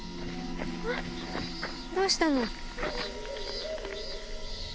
どうしたの？